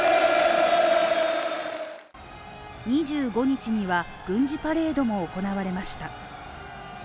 ２５日には軍事パレードも行われました。